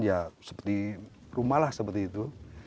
ya seperti rumah lah seperti itu